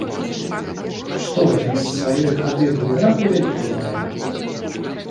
Што ён з свае хады выйгранку вялікую мае?